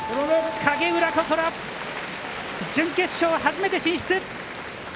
影浦心、準決勝は初めて進出。